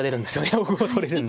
大駒取れるんで。